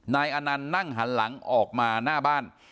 นายอนันต์นั่งหันหลังออกมาหน้าบ้าน